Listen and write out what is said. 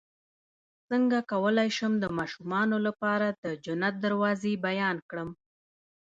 څنګه کولی شم د ماشومانو لپاره د جنت دروازې بیان کړم